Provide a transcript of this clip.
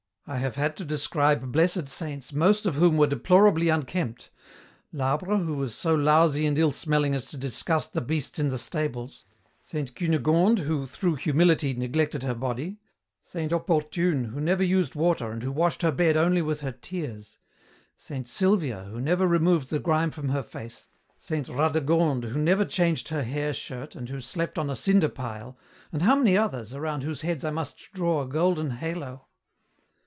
I have to describe Blessed Saints most of whom were deplorably unkempt: Labre, who was so lousy and ill smelling as to disgust the beasts in the stables; Saint Cunegonde who 'through humility' neglected her body; Saint Oportune who never used water and who washed her bed only with her tears; Saint Silvia who never removed the grime from her face; Saint Radegonde who never changed her hair shirt and who slept on a cinder pile; and how many others, around whose heads I must draw a golden halo!"